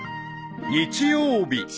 ［日曜日］